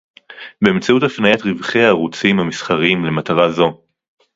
באמצעות הפניית רווחי הערוצים המסחריים למטרה זו